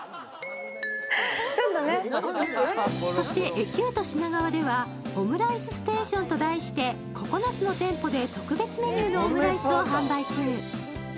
そして、エキュート品川ではオムライスステーションと題して９つの店舗で特別メニューのオムライスを販売中。